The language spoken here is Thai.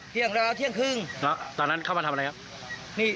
เที่ยงแล้วเที่ยงครึ่งแล้วตอนนั้นเข้ามาทำอะไรครับ